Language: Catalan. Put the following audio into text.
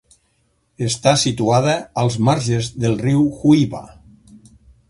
Està situada als marges del riu Huyva.